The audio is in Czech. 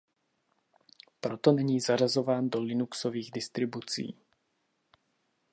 Proto není zařazován do linuxových distribucí.